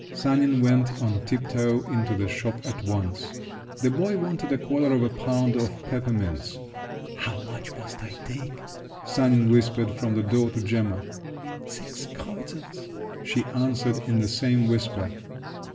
Sanin went on tiptoe into the shop at once. The boy wanted a quarter of a pound of peppermints. "How much must I take?" Sanin whispered from the door to Gemma. "Six kreutzers!" she answered in the same whisper.